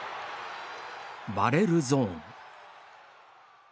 バレルゾーン。